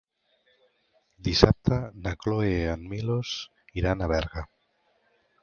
Dissabte na Cloè i en Milos iran a Berga.